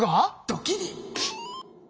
ドキリ。